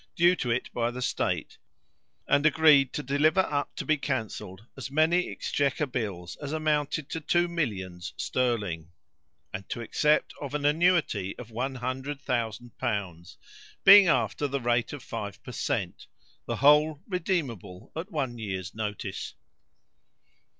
due to it by the state, and agreed to deliver up to be cancelled as many exchequer bills as amounted to two millions sterling, and to accept of an annuity of one hundred thousand pounds, being after the rate of five per cent, the whole redeemable at one year's notice.